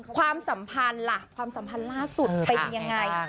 ความสัมพันธ์ล่ะความสัมพันธ์ล่าสุดเป็นยังไง